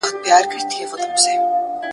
اوس به ځي په سمندر کی به ډوبیږي ,